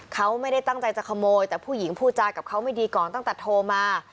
เขาไม่ได้ตั้งใจจะขโมยแต่ผู้หญิงพูดจากับเขาไม่ดีก่อนตั้งแต่โทรมา